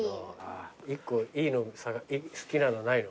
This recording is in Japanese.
１個いいの好きなのないの？